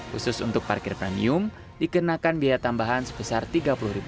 khusus untuk parkir premium dikenakan biaya tambahan sebesar rp tiga puluh